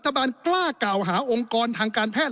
บาลกล้ากล่าวหาองค์กรทางการแพทย์